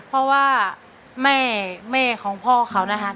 เพราะว่าแม่ของพ่อเขานะคะ